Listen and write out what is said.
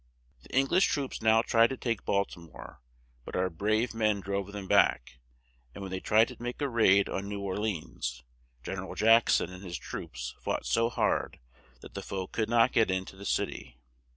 The Eng lish troops now tried to take Bal ti more, but our brave men drove them back; and when they tried to make a raid on New Or le ans, Gen er al Jack son and his troops fought so hard that the foe could not get in to the cit y.